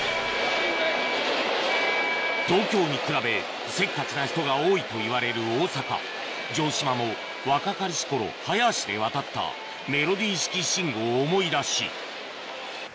東京に比べせっかちな人が多いといわれる大阪城島も若かりし頃早足で渡ったメロディ式信号を思い出し